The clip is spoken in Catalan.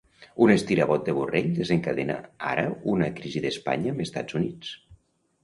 Un estirabot de Borrell desencadena ara una crisi d'Espanya amb Estats Units.